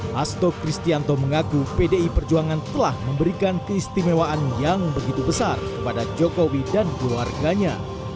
hasto kristianto mengaku pdi perjuangan telah memberikan keistimewaan yang begitu besar kepada jokowi dan keluarganya